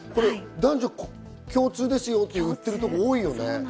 男女共通ですよって売ってるとこ多いよね。